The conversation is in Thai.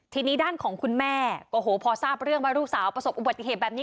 ทีนี้ด้านของคุณแม่โอ้โหพอทราบเรื่องว่าลูกสาวประสบอุบัติเหตุแบบนี้